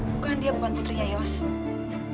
bukan dia bukan putrinya yose